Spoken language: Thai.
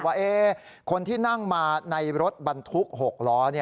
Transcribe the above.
ว่าคนที่นั่งมาในรถบรรทุก๖ล้อ